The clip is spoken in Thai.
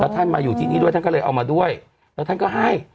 ท่านมาอยู่ที่นี่ด้วยท่านก็เลยเอามาด้วยแล้วท่านก็ให้